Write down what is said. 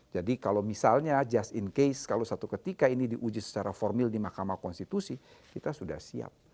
jadi kalau misalnya just in case kalau satu ketika ini diuji secara formil di makamah konstitusi kita sudah siap